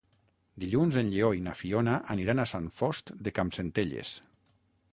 Dilluns en Lleó i na Fiona aniran a Sant Fost de Campsentelles.